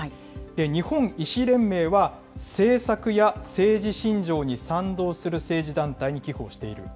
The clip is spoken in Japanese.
日本医師連盟は政策や政治信条に賛同する政治団体に寄付をしている。